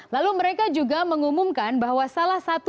lalu mereka juga mengumumkan bahwa salah satu